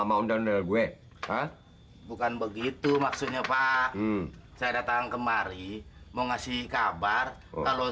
sama undang undang gue bukan begitu maksudnya pak saya datang kemari mau ngasih kabar kalau